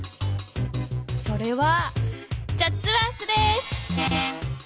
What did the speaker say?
それはチャッツワースです。